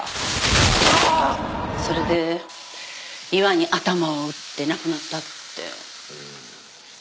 それで岩に頭を打って亡くなったって。